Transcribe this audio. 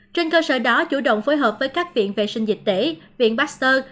trên cơ sở đó chủ động phối hợp với các viện vệ sinh dịch tễ viện baxter